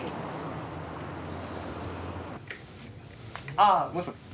あもしもし